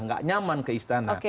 nggak nyaman ke istana